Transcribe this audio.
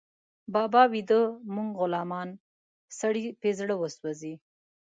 بابا ويده، موږ غلامان، سړی په زړه وسوځي